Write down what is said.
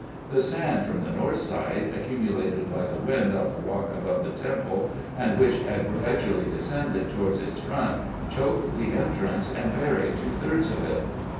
The sand from the north side, accumulated by the wind on the rock above the temple, and which had gradually descended towards its front, choked the entrance, and 80 RESEARCHES AND OPERATIONS buried two thirds of it.